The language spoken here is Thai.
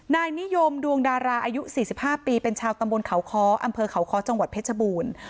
นายนิยมดวงดาราอายุ๔๕ปีเป็นชาวตำบลเขาคอำเภอเขาคจพให้จบูล